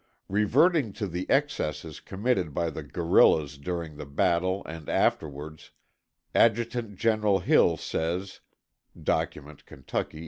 Reverting to the excesses committed by the guerillas during the battle and afterwards, Adjutant General Hill says: (Documents, Ky.